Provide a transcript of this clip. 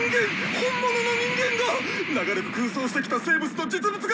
本物の人間がっ！長らく空想してきた生物の実物がっ！